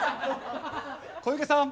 小池さん